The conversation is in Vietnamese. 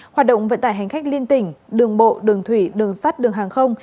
hoạt động vận tải hành khách liên tỉnh đường bộ đường thủy đường sắt đường hàng không